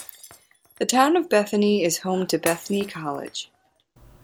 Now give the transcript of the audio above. The town of Bethany is home to Bethany College.